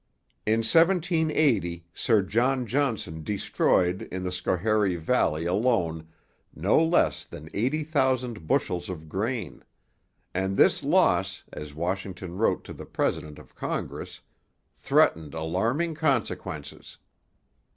In 1780 Sir John Johnson destroyed in the Schoharie valley alone no less than eighty thousand bushels of grain; and this loss, as Washington wrote to the president of Congress, 'threatened alarming consequences.'